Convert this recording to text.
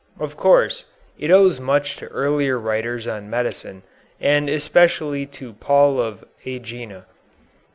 Of course, it owes much to earlier writers on medicine, and especially to Paul of Ægina.